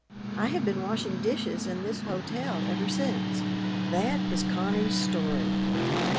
I have been washing dishes in this hotel ever since." That is Connie's story.